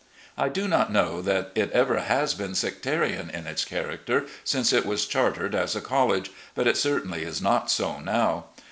I do not know that it ever has been sectarian in its character since it was chartered as a college ; but it certainly is not so now.